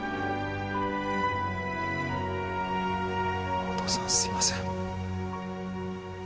お父さんすいません